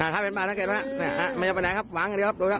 เห็นป่ะนักเลงไม่ยอมไปไหนครับขวางอย่างเดียวครับ